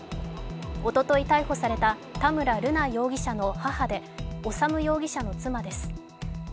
おととい逮捕された田村瑠奈容疑者の母で修容疑者の妻です。